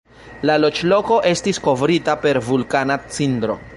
La loĝloko estis kovrita per vulkana cindro.